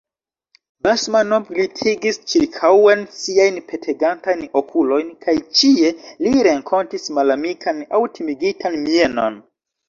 Basmanov glitigis ĉirkaŭen siajn petegantajn okulojn kaj ĉie li renkontis malamikan aŭ timigitan mienon.